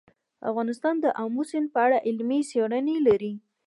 افغانستان د آمو سیند په اړه علمي څېړنې لري.